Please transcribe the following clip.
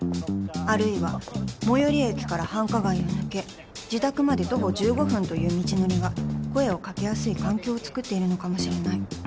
あるいは最寄り駅から繁華街を抜け自宅まで徒歩１５分という道のりが声を掛けやすい環境をつくっているのかもしれない